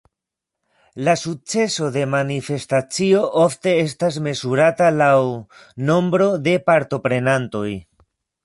La sukceso de manifestacio ofte estas mezurata laŭ nombro de partoprenantoj.